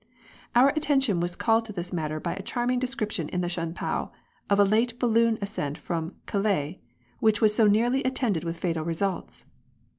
Our attention was called to this matter by a charming description in the Shun 'pao of a late balloon ascent from Calais, which was so nearly attended with fatal results.